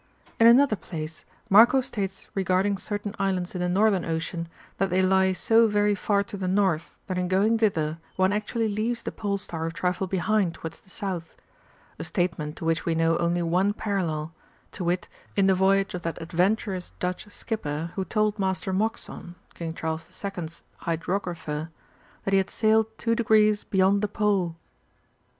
In another place Marco states regarding certain islands in the Northern Ocean that they lie so very far to the north that in going thither one actually leaves the Pole star a trifle behind towards the south ; a statement to which we know only one parallel, to wit, in the voyage of that adventurous Dutch skipper who told Master Moxon, King Charles II.'s Hydrographer, that he had sailed two degrees beyond the Pole